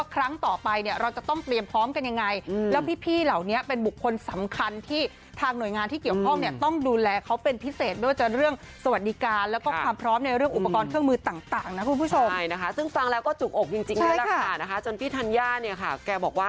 ครั้งต่อไปเนี่ยเราจะต้องเตรียมพร้อมกันยังไงแล้วพี่เหล่านี้เป็นบุคคลสำคัญที่ทางหน่วยงานที่เกี่ยวข้องเนี่ยต้องดูแลเขาเป็นพิเศษไม่ว่าจะเรื่องสวัสดิการแล้วก็ความพร้อมในเรื่องอุปกรณ์เครื่องมือต่างนะคุณผู้ชมใช่นะคะซึ่งฟังแล้วก็จุกอกจริงเลยล่ะค่ะนะคะจนพี่ธัญญาเนี่ยค่ะแกบอกว่า